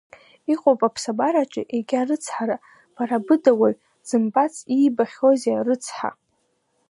Иҟоуп аԥсабараҿы егьа рыцҳара, бара быда уаҩ дзымбац иибахьоузеи арыцҳа?!